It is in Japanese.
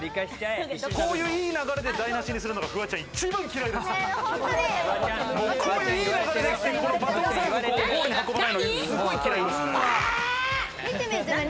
こういう、いい流れで台無しにするのがフワちゃん、一番嫌いですから。